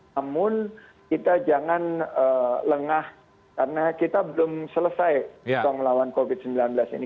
namun kita jangan lengah karena kita belum selesai melawan covid sembilan belas ini